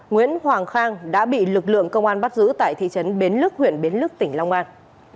nguyễn hoàng khang đã bị lực lượng công an bắt giữ tại thị trấn bến lức huyện bến lức tỉnh long an